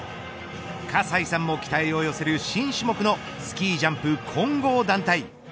葛西さんも期待を寄せる新種目のスキージャンプ混合団体。